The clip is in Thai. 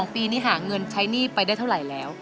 ปีนี้หาเงินใช้หนี้ไปได้เท่าไหร่แล้ว